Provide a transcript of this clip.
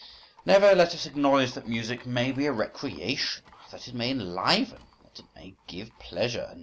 … Never let us acknowledge that music "may be a recreation," that it may "enliven," that it may "give pleasure."